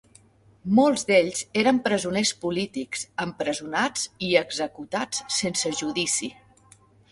Molts d'ells eren presoners polítics, empresonats i executats sense judici.